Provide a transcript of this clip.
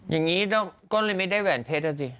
อย่างนี้ก็เลยไม่ได้แหวนเพชรอ่ะสิ